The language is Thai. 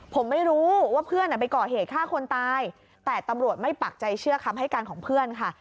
ผมไม่รู้ว่าเพื่อนไปก่อเหตุฆ่าคนตายแต่ตำรวจไม่ปักใจเชื่อคำให้การของเพื่อนค่ะ